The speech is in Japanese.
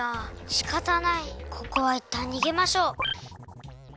しかたないここはいったんにげましょう。